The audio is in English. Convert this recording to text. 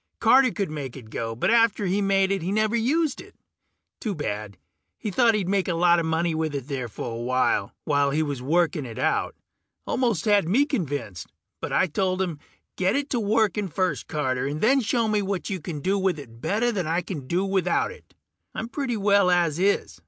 Carter could make it go, but after he made it he never used it. Too bad; he thought he'd make a lot of money with it there for awhile, while he was working it out. Almost had me convinced, but I told him, "Get it to working first, Carter, and then show me what you can do with it better than I can do without it. I'm doing pretty well as is